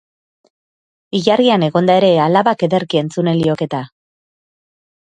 Ilargian egonda ere alabak ederki entzunen lioke eta!